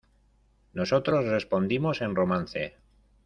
nosotros respondimos en romance: